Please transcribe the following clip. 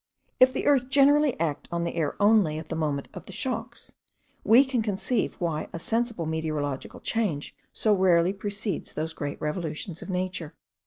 If the earth generally act on the air only at the moment of the shocks, we can conceive why a sensible meteorological change so rarely precedes those great revolutions of nature.